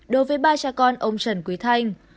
đối với ba cha con ông trần quý thanh